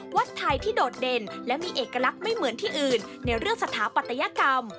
วัดไทยที่โดดเด่นและมีเอกลักษณ์ไม่เหมือนที่อื่นในเรื่องสถาปัตยกรรม